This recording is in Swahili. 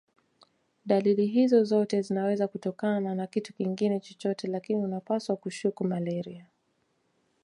Dalili hizi zote zinaweza kutokana na kitu kingine chochote lakini unapaswa kushuku malaria